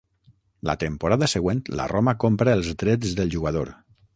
La temporada següent, la Roma compra els drets del jugador.